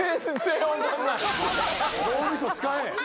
脳みそ使え。